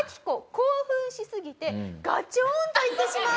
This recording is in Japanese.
興奮しすぎてガチョーンと言ってしまう。